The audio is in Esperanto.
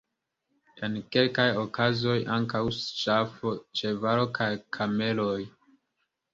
En kelkaj okazoj ankaŭ ŝafo, ĉevalo kaj kameloj.